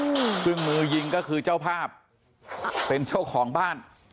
อืมซึ่งมือยิงก็คือเจ้าภาพเป็นเจ้าของบ้าน